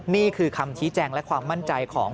นี่คือคำชี้แจงและความมั่นใจของ